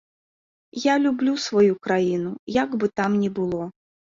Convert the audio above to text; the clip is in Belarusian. Я люблю сваю краіну, як бы там ні было.